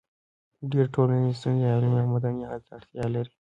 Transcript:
ډېری ټولنیزې ستونزې علمي او مدني حل ته اړتیا لري.